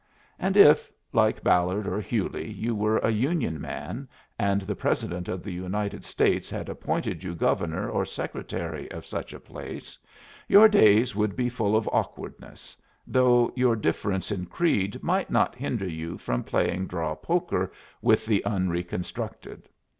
And if, like Ballard or Hewley, you were a Union man, and the President of the United States had appointed you Governor or Secretary of such a place, your days would be full of awkwardness, though your difference in creed might not hinder you from playing draw poker with the unreconstructed.